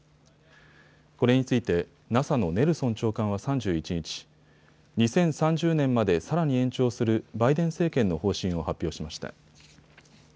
これについてＮＡＳＡのネルソン長官は３１日、２０３０年までさらに延長するバイデン政権の方針を発表しました。